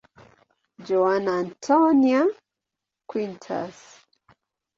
Joana Antónia Quintas.